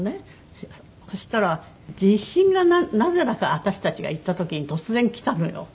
そしたら地震がなぜだか私たちが行った時に突然きたのよ。